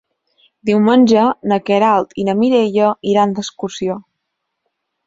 Diumenge na Queralt i na Mireia iran d'excursió.